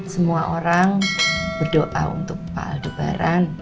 semua orang berdoa untuk pak aldebaran